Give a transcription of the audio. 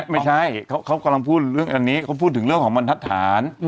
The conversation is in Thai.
ไม่ใช่เขากำลังพูดเรื่องอันนี้เขาพูดถึงเรื่องของบรรทัศน